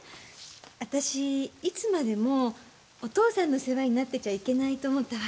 私いつまでもお父さんの世話になってちゃいけないと思った訳。